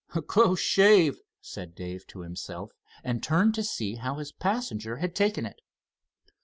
"A close shave," said Dave, to himself, and turned to see how his passenger had taken it.